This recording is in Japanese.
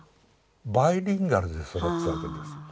バイリンガルで育つわけです。